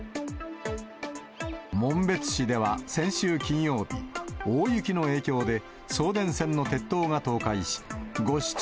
紋別市では先週金曜日、大雪の影響で送電線の鉄塔が倒壊し、５市町